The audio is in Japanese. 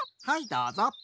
はいどうぞ。